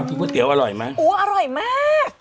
ก๋วยเตี๋ยอร่อยไหมโอ้อร่อยมาก